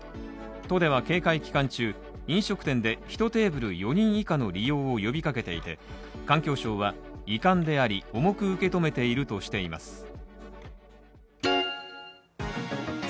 都では警戒期間中、飲食店で１テーブル４人以下の利用を呼びかけていて環境省は、遺憾であり重く受け止めているとしています。